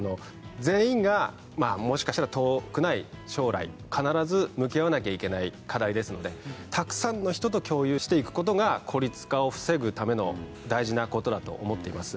全員がまあもしかしたら遠くない将来必ず向き合わなきゃいけない課題ですのでたくさんの人と共有していくことが孤立化を防ぐための大事なことだと思っています